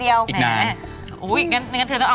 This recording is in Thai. งั้นเอาให้ได้ในคุมพา